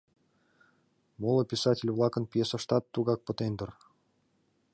Моло писатель-влакын пьесыштат тугак пытен дыр.